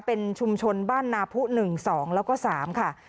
เป็นชุมชนบ้านนาพุ๑๒แล้วก็๓ค่ะ